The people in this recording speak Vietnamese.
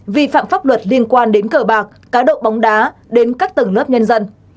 vi phạm pháp luật liên quan đến cờ bạc cá độ bóng đá đến các tầng lớp nhân dân